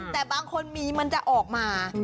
แต่บางคนมีมันจะออกมา